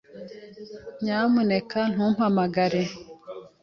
Nyamuneka ntumpamagare.